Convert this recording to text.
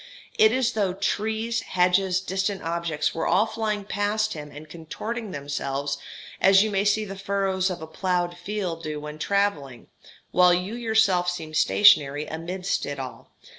It is as though trees, hedges, distant objects, were all flying past him and contorting themselves as you may see the furrows of a ploughed field do when travelling, while you yourself seem stationary amidst it all.